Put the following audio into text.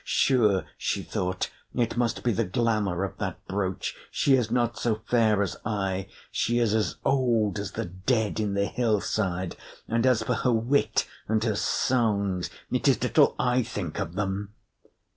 "Sure," she thought, "it must be the glamour of that brooch! She is not so fair as I; she is as old as the dead in the hillside; and as for her wit and her songs, it is little I think of them!"